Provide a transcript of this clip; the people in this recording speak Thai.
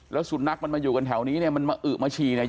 แล้วสุนัขมันมาอยู่กันแถวนี้เนี่ยมันมาอึมาฉี่เนี่ย